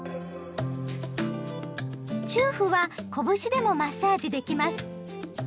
中府は拳でもマッサージできます。